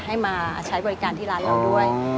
ให้มาใช้บริการที่ร้านเราด้วย